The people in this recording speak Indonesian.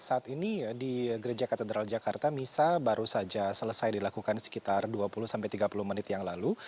saat ini di gereja katedral jakarta misa baru saja selesai dilakukan sekitar dua puluh sampai tiga puluh menit yang lalu